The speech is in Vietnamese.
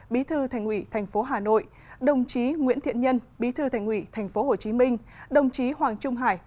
bí thư thành ủy tp hà nội đồng chí nguyễn thiện nhân bí thư thành ủy tp hồ chí minh đồng chí hoàng trung hải